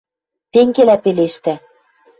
Тенгелӓ пелештӓ